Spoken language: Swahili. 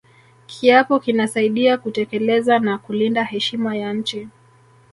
kiapo kinasaidia kutekeleza na kulinda heshima ya nchi